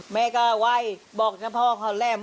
แม่ก็ไหวบอกชะพ่อล่ะ